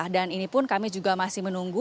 dan ini pun kami juga masih menunggu